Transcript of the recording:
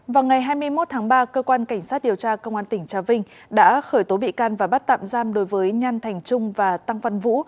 vào ngày hai mươi một tháng ba cơ quan cảnh sát điều tra công an tỉnh trà vinh đã khởi tố bị can và bắt tạm giam đối với nhan thành trung và tăng văn vũ